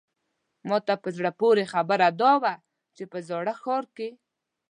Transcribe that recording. ماته په زړه پورې خبره دا وه چې په زاړه ښار کې.